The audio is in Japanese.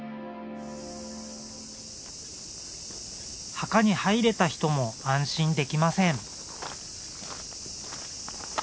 墓に入れた人も安心できません。